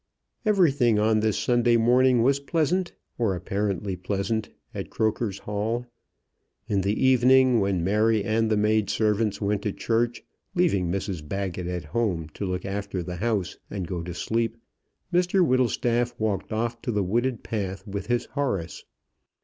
Everything on this Sunday morning was pleasant, or apparently pleasant, at Croker's Hall. In the evening, when Mary and the maid servants went to church, leaving Mrs Baggett at home to look after the house and go to sleep, Mr Whittlestaff walked off to the wooded path with his Horace.